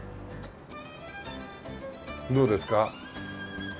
どうですか？